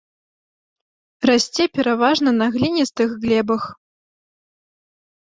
Расце пераважна на гліністых глебах.